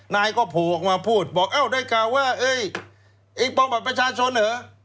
นายก็ผูกมาพูดบอกเอ้าด้วยกล่าวว่าเอ้ยอีกปลอมบัติประชาชนเหรอ